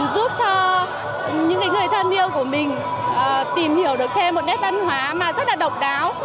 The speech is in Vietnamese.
giúp cho những người thân yêu của mình tìm hiểu được thêm một đất văn hóa rất độc đáo